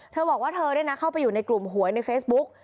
เธอบอกว่าเธอเข้าไปอยู่ในกลุ่มหวยในเฟซบุ๊ก